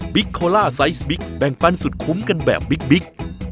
โคล่าไซส์บิ๊กแบ่งปันสุดคุ้มกันแบบบิ๊ก